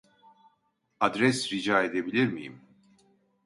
Adres rica edebilir miyim ?